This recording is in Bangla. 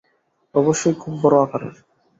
অবশ্যই খুব বড় আকারের।